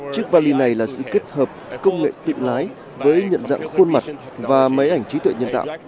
chiếc vali này là sự kết hợp công nghệ tự lái với nhận dạng khuôn mặt và máy ảnh trí tuệ nhân tạo